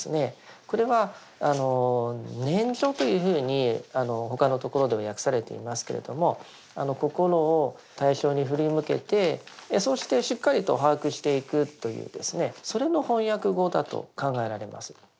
これは念処というふうに他のところでは訳されていますけれども心を対象に振り向けてそしてしっかりと把握していくというですねそれの翻訳語だと考えられます。